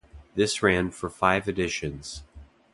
This ran for five editions.